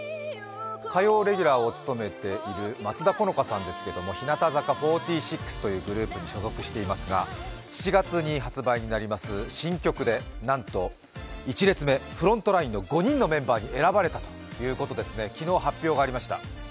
火曜レギュラーを務めている松田好花さんですけれども、日向坂４６というグループに所属していますが７月に発売になります新曲でなんと、１列目、フロントラインの５人のメンバーに選ばれたということで昨日発表がありました。